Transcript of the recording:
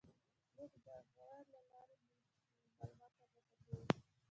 موږ د غږ له لارې معلومات تر لاسه کوو.